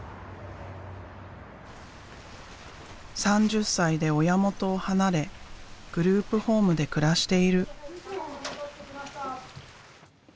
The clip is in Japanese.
３０歳で親元を離れグループホームで暮らしている。